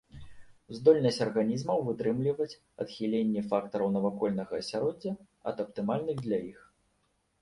Здольнасць арганізмаў вытрымліваць адхіленне фактараў навакольнага асяроддзя ад аптымальных для іх.